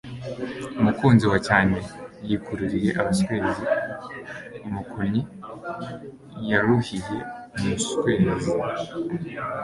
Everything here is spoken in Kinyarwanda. umukunnyi wa cyane yikururiye abaswezi (umukunnyi yaruhiye umuswezi)